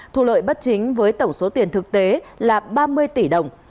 thu lợi bất chính với tổng số tiền thực tế là ba mươi tỷ đồng